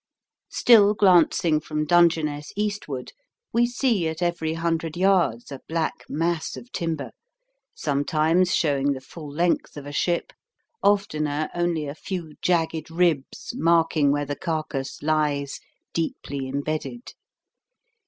Still glancing from Dungeness eastward, we see at every hundred yards a black mass of timber, sometimes showing the full length of a ship, oftener only a few jagged ribs marking where the carcase lies deeply embedded.